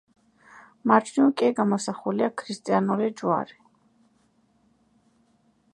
მარჯვნივ კი გამოსახულია ქრისტიანული ჯვარი.